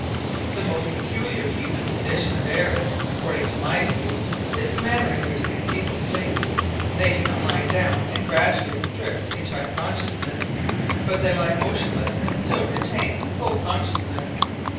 The most peculiar human condition of Airess, according to my view, is the manner in which these people sleep. They do not lie down and gradually drift into unconsciousness, but they lie motionless and still retain full consciousness.